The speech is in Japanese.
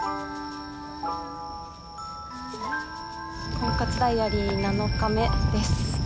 婚活ダイアリー７日目です。